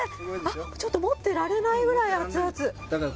ちょっと持ってられないぐらい熱々。